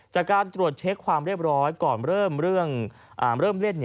จากการตรวจเช็คความเรียบร้อยก่อนเริ่มเล่น